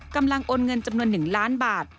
โอนเงินจำนวน๑ล้านบาท